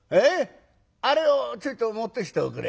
あれをちょいと持ってきておくれ。